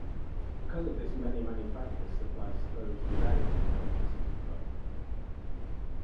Because of this many manufacturers supply stoves without electricity plug.